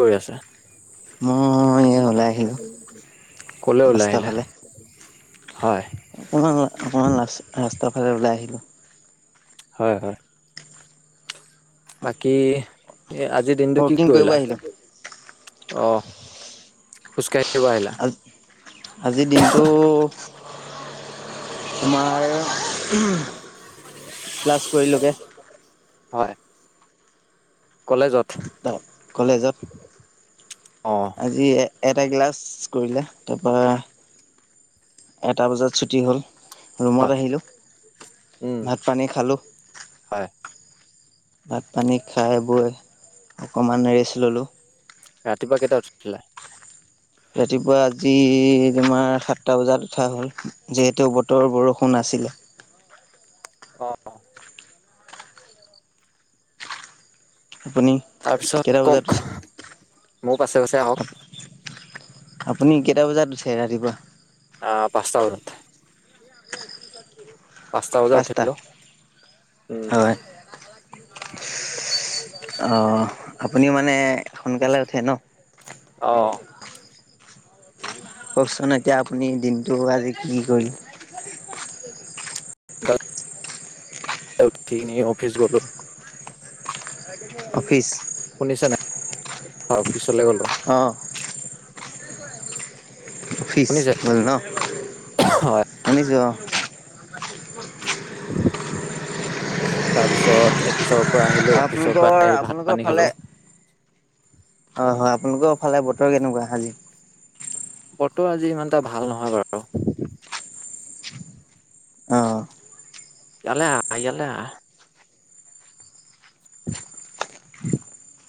কৰি আছা? মই এই ওলাই আহিলো ক'লৈ ওলাই ৰাস্তাৰ আহিলা? হয়। আপোনাৰ আপোনাৰ লাস্ত ৰাস্তাৰফালে ওলাই আহিলোঁ। হয়, হয়। বাকী এ আজিৰ দিনটো কি ৱকিং কৰিব কৰিলা? আহিলো অ', খোজকাঢ়িব আহি আ আজি দিনটো তোমাৰ ক্লাছ কৰিলোগে। হয়, কলেজত? কলেজত অ', আজি এটা ক্লাছ কৰিলে তাৰপৰা এটা বজাত ছুটি হ'ল, ৰুমত হয়, আহিলোঁ উম, ভাত পানী খালোঁ। হয়। ভাত পানী খাই বৈ অকমান ৰেষ্ট ল'লো। ৰাতিপুৱা কেইটাত উঠিছিলা? ৰাতিপুৱা আজি তোমাৰ সাতটা বজাত উঠা হ'ল যিহেতু বতৰ বৰষুণ আছিলে। অ'। আপুনি? কেইটা তাৰপিছত বজাত কওঁক উঠে? মোৰ পাছে পাছে আহক। আপুনি কেইটা বজাত উঠে ৰাতিপুৱা? আ পাঁচটা বজাত। পাঁচটা বজাত উঠিলো উম। হয় অ', আপুনি মানে সোনকালে উঠে ন? অ। কওকচোন এতিয়া আপুনি দিনটো আজি কি কি কৰি গা এ উঠি কিনে অফিচ গ'লো। অফিচ? শুনিছা না? অ অফিচলে গলো। অ। অফিচ শুনিছে? গ'ল ন, হয়, শুনিছোঁ অ। তাৰপিছত অফিচৰ পৰা আহিলো, অফিচৰ আপোনালোকৰ পৰা আহি ভাত - আপোনালোকৰ পানী খালো। অ হয়, আপোনালোকৰ ফালে বতৰ কেনেকুৱা আজি? বতৰ আজি ইমান এটা ভাল নহয় বাৰু। অ। ইয়ালে আহ, ইয়ালে আহ।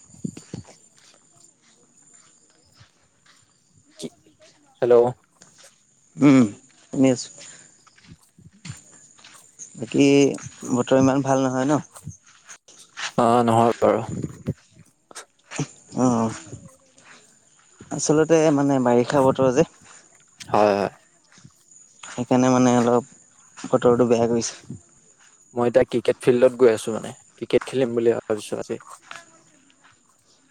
[inaudible] কি হেল্ল'? উম, শুনি আছো। বাকী, বতৰ ইমান ভাল নহয় ন? অ নহয় বাৰু। অহ। আচলতে মানে বাৰিষা বতৰ যে। হয়। সেইকাৰণে মানে অলপ বতৰটো বেয়া কৰিছে। মই এতিয়া ক্ৰিকেট ফিল্ডত গৈ আছো মানে ক্ৰিকেট খেলিম বুলি ভাবিছো আজি।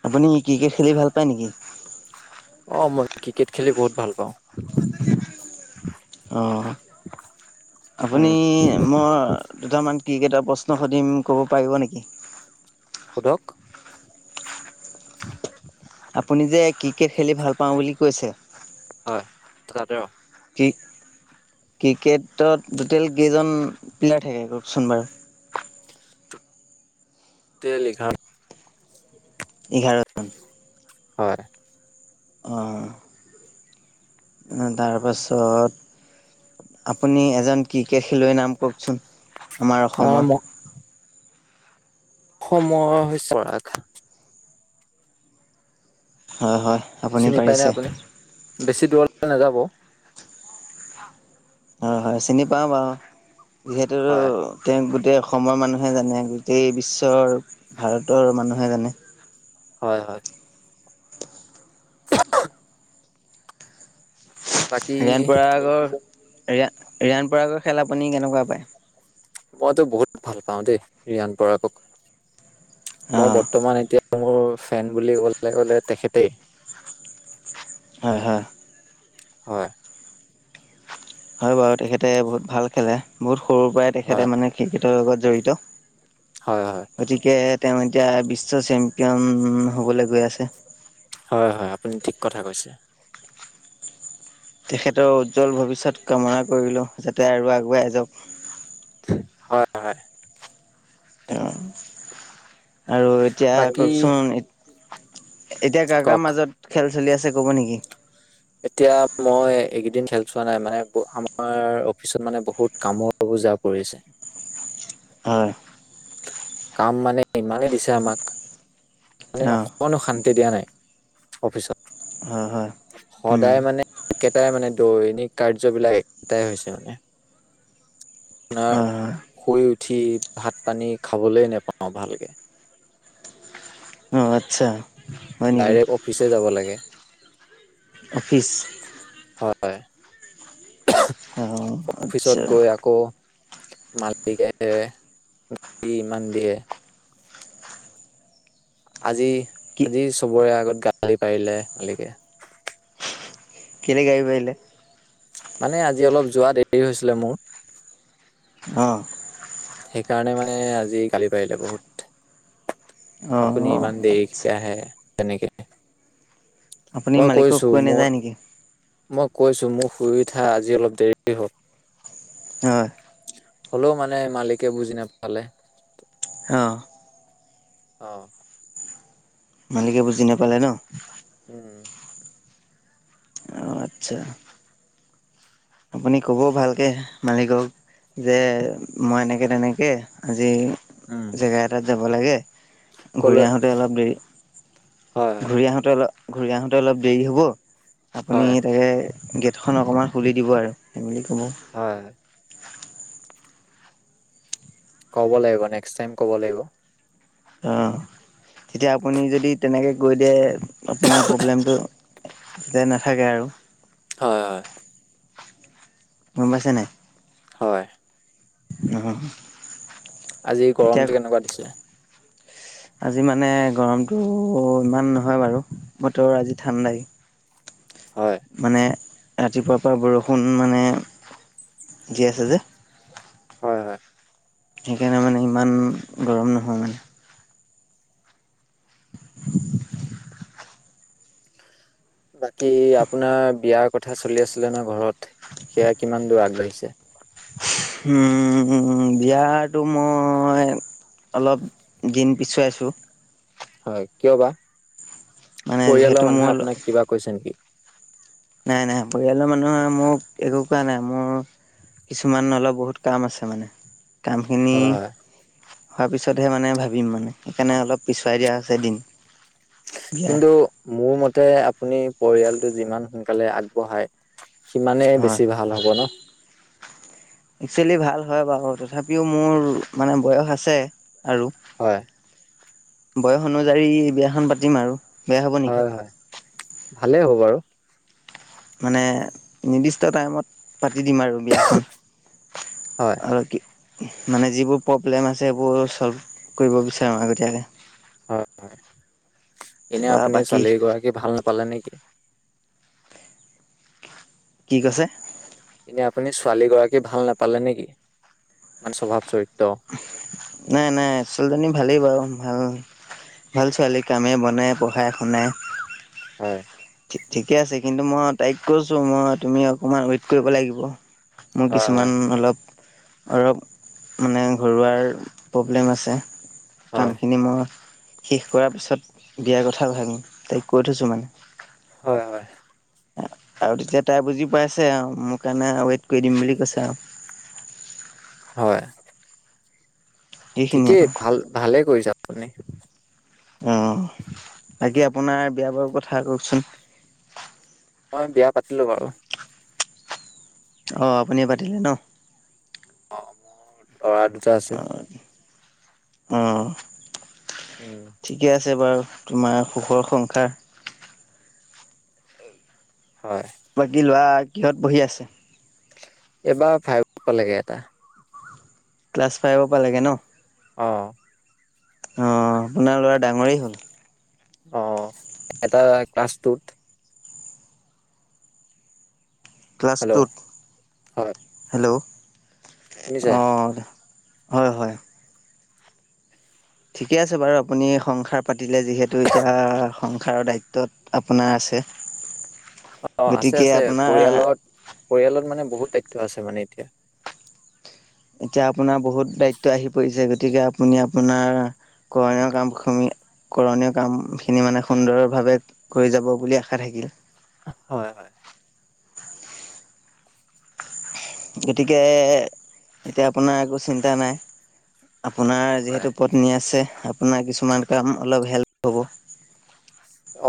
আপুনি ক্ৰিকেট খেলি ভাল পায় নেকি? অ মই ক্ৰিকেট খেলি বহুত ভাল পাওঁ। অহ। আপুনি উম মই দুটামান ক্ৰিকেটৰ প্ৰশ্ন সুধিম ক'ব পাৰিব নেকি? সোধক? [inaudible] আপুনি যে ক্ৰিকেট খেলি ভাল পাওঁ বুলি কৈছে হয় [unintelligible] অ। কি ক্ৰিকেটত টোটেল কেইজন প্লেয়াৰ থাকে কওঁকচোন বাৰু? টেল এঘাৰ এঘাৰজন। হয়। অহ। আহ তাৰপাছত আপুনি এজন ক্ৰিকেট খেলুৱৈৰ নাম কওঁকচোন? আমাৰ অ অসমৰ? ম- অসমৰ হৈছে পৰাগ। হয় হয়। আপুনি চিনি পাই নে পাৰিছে আপুনি? বেছি দূৰলৈ নাযাব। হয় হয় চিনি পাওঁ বাৰু, যিহেতু হয় তেওঁক গোটেই অসমৰ মানুহে জানে, গোটেই বিশ্বৰ ভাৰতৰ মানুহে জানে। হয় হয়। বাকী ৰিয়ান পৰাগৰ, ৰিয়া- ৰিয়ান পৰাগৰ খেল আপুনি কেনেকুৱা পায়? মইতো বহুত ভাল পাওঁ দেই, ৰিয়ান পৰাগক। মই অ', বৰ্তমান এতিয়া মোৰ ফেন বুলি কবলৈ গ'লে তেখেতে। হয়- হয়। হয়। হয় বাৰু, তেখেতে বহুত ভাল খেলে। বহুত সৰুৰ পৰাই হয় তেখেতে মানে ক্ৰিকেটৰ লগত জড়িত। হয়- হয়। গতিকে, তেওঁ এতিয়া বিশ্ব চেম্পিয়ন হ'বলৈ গৈ আছে। হয়- হয়, আপুনি ঠিক কথা কৈছে। তেখেতৰ উজ্জ্বল ভৱিষ্যত কামনা কৰিলো। যাতে আৰু আগুৱাই যাওঁক। হয়- হয়। তেওঁ আৰু এতিয়া বাকী কওঁকচোন, এত- এতিয়া কাৰ কাৰ কওক মাজত খেল চলি আছে, ক'ব নেকি? এতিয়া মই এইকেইদিন খেল চোৱা নাই, মানে আমাৰ অফিচত মানে বহুত কামৰ বোজা পৰিছে। হয়। কাম মানে ইমানেই দিছে আমাক। মানে অ', অকণো শান্তি দিয়া নাই, অফিচত। হয়- হয়। উম, সদায় মানে একেটাই, মানে দৈনিক কাৰ্যবিলাক একেটাই হৈছে মানে। আপোনাৰ হয়, হয়। শুই উঠি ভাত পানী খাবলৈ নোপাওঁ ভালকে। আতচ্ছা। ডাইৰেক্ট অফিচে যাব লাগে। অফিচ। হয়। অ', অফিচত আচ্ছা গৈ আকৌ মালিকে গালি ইমান দিয়ে। আজি- কি আজি চবৰে আগত গালি পাৰিলে মালিকে। কেলেই গালি পাৰিলে? মানে আজি অলপ যোৱা দেৰি হৈছিলে মোৰ। অ'। সেইকাৰণে মানে আজি গালি পাৰিলে বহুত। আপুনি অ', ইমান আচ্ছা। দেৰিকে আহে, তেনেকে। আপুনি মই মালিকক কৈছোঁ কৈ মোৰ নাযায় নেকি? মই কৈছো মোৰ শুই উঠা আজি অলপ দেৰি হ'ল। হয়। হ'লেও মানে মালিকে বুজি নাপালে। অ'। অ। মালিকে বুজি নাপালে ন? [inaudible] আতচ্ছা। আপুনি কব ভালকে মালিকক যে, মই এনেকে- তেনেকে আজি উম জেগা এটাত যাব লাগে ঘূৰি কলে আহোঁতে অলপ দেৰি হয় ঘূৰি আহোঁতে অলপ ঘূৰি আহোঁতে অলপ দেৰি হ'ব আপুনি হয় তাকে গেটখন অকণমান খুলি দিব আৰু উম হব হয় [inaudible] ক'ব লাগিব নেক্সট টাইম ক'ব লাগিব অ' এতিয়া আপুনি যদি তেনেকে কৈ দিয়ে আপোনাৰ প্ৰব্লেমটো তেতিয়া নাথাকে আৰু হয় হয় গম পাইছে নাই হয় [inaudible] আজি এতিয়া গৰমটো কেনেকুৱা দিছিলে [inaudible] আজি মানে গৰমটো ইমান নহয় বাৰু বতৰৰ আজি ঠাণ্ডাই হয় মানে ৰাতিপুৱাৰ পৰা বৰষুণ মানে দি আছে যে হয় হয় সেইকাৰণে মানে ইমান গৰম নহয় মানে [inaudible] বাকী আপোনাৰ বিয়াৰ কথা চলি আছিলে ন ঘৰত সেয়া কিমান দূৰ আগবাঢ়িছে। উম বিয়াটো মই অলপ দিন পিছুৱাইছোঁ হয় কিয় বা? মানে যিহেতু পৰিয়ালৰ মানুহে মোৰ আপোনাক কিবা কৈছে নেকি? নাই নাই পৰিয়ালৰ মানুহে মোক একো কোৱা নাই মোৰ কিছুমান অলপ বহুত কাম আছে মানে কাম খিনি হয় হয় হোৱাৰ পিছতহে মানে ভাবিম মানে সেইকাৰণে অলপ পিছুৱাইই দিয়া হৈছে দিন। বিয়া কিন্তু মোৰ মতে আপুনি পৰিয়ালটো যিমান সোনকালে আগবঢ়ায় সিমানে হয় বেছি ভাল হ'ব ন। একচুৱেলি ভাল হয় বাৰু তথাপিও মোৰ মানে বয়স আছে। আৰু হয় বয়স অনুযায়ী বিয়াখন পাতিম আৰু। বেয়া হ'ব নেকি হয় হয় ভালেই হ'ব বাৰু। মানে নিৰ্দিষ্ট টাইমত পাতি দিম আৰু বিয়া। খন হয় আৰু কি। মানে যিবোৰ প্ৰব্লেম আছে সেইবোৰ ছ'ল্ভ কৰিব বিচাৰোঁ আগতীয়াকৈ। হয় হয়, এনে তাৰপৰা আপুনি বাকী ছোৱালী গৰাকী ভাল নাপালে নেকি,? কি কৈছে? এনে আপুনি ছোৱালী গৰাকী ভাল নাপালে নেকি ইমান স্বভাৱ চৰিত্ৰ। নাই নাই আ ছোৱালীজনী ভালেই বাৰু ভাল। ভাল ছোৱালী কামে বনায় পঢ়াই শুনায়। হয়। ঠিকে আছে কিন্তু মই তাইক কৈছো মই তুমি অকণমান ৱেইট কৰিব লাগিব। মোৰ হয় হয় কিছুমান অলপ অলপ মানে ঘৰুৱাৰ প্ৰব্লেম আছে। হয় কামখিনি মই শেষ কৰাৰ পিছত বিয়াৰ কথা ভাবিম তাইক কৈ থৈছো মানে। হয় হয়। আৰু তেতিয়া তাই বুজি পাইছে আও মোৰ কাৰণে ৱেইট কৰি দিম বুলি কৈছে আও। হয়। সেইখিনিয়ে ঠিকেই আৰু ভাল ভালে কৰিছে আপুনি। অ বাকী আপোনাৰ বিয়া বাৰু কথা কওকচোন। মই বিয়া পাতিলো বাৰু। অ আপুনিয়ে পাতিলে ন। অ মোৰ ল'ৰা দুটা আছে। অ'। উম। ঠিকে আছে বাৰু তোমাৰ সুখৰ সংসাৰ। হয়। বাকী ল'ৰা কিহত পঢ়ি আছে? এইবাৰ ফাইভ পালেগে এটা। ক্লাছ ফাইভৰ পালেগে ন। অ অ আপোনাৰ ল'ৰা ডাঙৰেই হ'ল। অ এটা ক্লাছ টুত। ক্লাছ হেল্ল' টুত হয় হেল্ল' শুনিছে অ। হয় হয়। ঠিকে আছে বাৰু আপুনি সংসাৰ পাতিলে যিহেতু এতিয়া সংসাৰৰ দায়িত্বত আপোনাৰ আছে। অ আছে গতিকে আছে আপোনাৰ পৰিয়ালত পৰিয়ালত মানে বহুত দায়িত্ব আছে মানে এতিয়া। এতিয়া আপোনাৰ বহুত দায়িত্ব আহি পৰিছে গতিকে আপুনি আপোনাৰ কইনে কাম খাঙ কৰণীয় কাম খিনি মানে সুন্দৰভাৱে কৰি যাব বুলি আশা থাকিল। হয় হয়। গতিকে এতিয়া আপোনাৰ একো চিন্তা নাই। আপোনাৰ হয় যিহেতু পত্নী আছে আপোনাৰ কিছুমান কাম অলপ হেল্প পাব।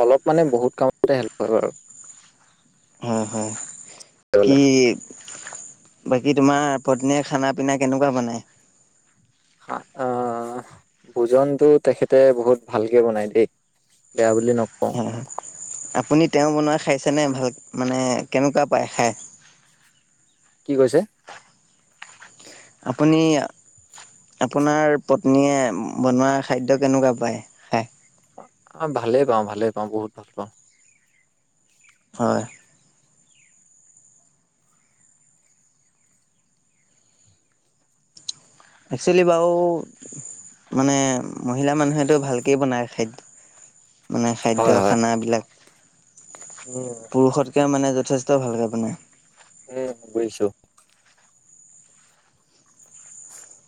অলপ মানে বহুত কামতে হেল্প হয় বাৰু। হয় হয় তেওঁলে কি বাকী তোমাৰ পত্নীয়ে খানা পিনা কেনেকোৱা বনাই? অ অ ভোজনতো তেখেতে বহুত ভালকে বনাই দেই বেয়া বুলি নকও হয় আপুনি তেওঁ বনোৱা খাইছেনে ভাল মানে কেনেকোৱা পায় খায়? [unintelligible] কি কৈছে? আপুনি এয়া আপোনাৰ পত্নীয়ে বনোৱা খাদ্য কেনেকোৱা পায়? খাই অ ভালে পাও ভালে পাও বহুত ভাল পাও। হয়। একচলি বাও মানে মহিলা মানুহেতো ভালকে বনায় খাদ্য মানে খাদ্য হয় হয় খানা বিলাক উম, পুৰুষতকৈ মানে যথেষ্ট ভালকৈ বনাই। উম, বুইছো।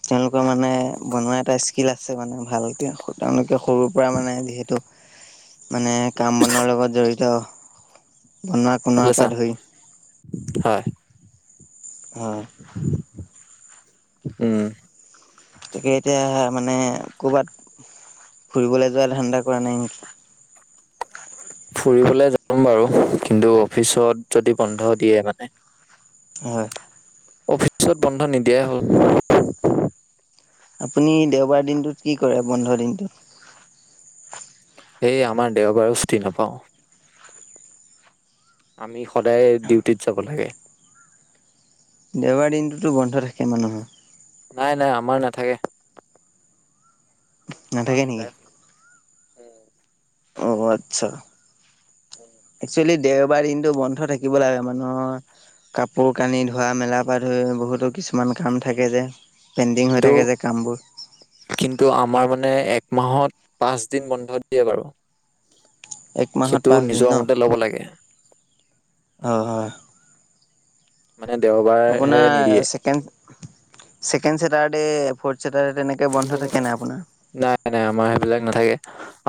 তেওঁলোকৰ মানে বনোৱা এটা স্কিল আছে মানে ভালকে তেওঁলোকে সৰুৰ পৰা মানে যিহেতু মানে কাম-বনৰ লগত জড়িত, বনোৱা-কনোৱা এইফালে পে চা ধৰি। হয়। হয়। উম, তাকেই, এতিয়া মানে কৰ'বাত ফুৰিবলৈ যোহোৱা ধান্দা কৰা নাই নেকি? ফুৰিবলৈ যাম বাৰু কিন্তু অফিচত যদি বন্ধ দিয়ে মানে। হয়। অফিচত বন্ধ নিদিয়াই হ'ল। আপুনি দেওবাৰ দিনটোত কি কৰে, বন্ধ দিনটোত? সেই আমাৰ, দেওবাৰও চুটি নাপাওঁ। আমি, সদায় ডিউটিত যাব লাগে। দেওৱাৰ দিনটোতো, বন্ধ থাকে মানুহৰ। নাই, নাই, আমাৰ নাথাকে। আমাৰ নাথাকে নেকি? সদায় অ, আচ্ছা, একচলি দেওবাৰ দিনটো বন্ধ থাকিব লাগে মানুহৰ। কাপোৰ কানি ধোৱা-মেলাৰ পৰা ধৰি বহুতো কিছুমান কাম থাকে যে। পেণ্ডিং হৈ কিন্তু থাকে যে, কামবোৰ। কিন্তু আমাৰ মানে এক মাহত পাঁচ দিন বন্ধ দিয়ে বাৰু। এক মাহত সেইটো পাঁচ দিন নিজৰ ন মতে ল'ব লাগে। হয়, হয়। মানে, দেওবাৰ। আপোনাৰ চেকেণ্, চেকেণ্ড চেতাৰডে, ফৰ্ত চেতাৰদে তেনেকে বন্ধ থাকে নাই আপোনাৰ নাই, নাই আমাৰ সেইবিলাক নাথাকে।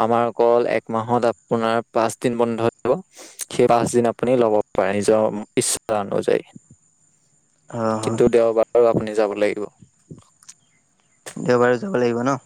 আমাৰ অলক এক মাহত আপোনাৰ, পাঁচ দিন বন্ধ দিব। সেই পাচদিন আপুনি ল'ব পাৰে, নিজৰ ইচ্ছা অনুযায়ী। [unintelligible] হয় কিন্তু দেওবাৰো, আপুনি যাব লাগিব। দেওবাৰে যাব লাগিব ন?